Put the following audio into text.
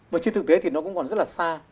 mà chứ thực tế thì nó cũng còn rất là xa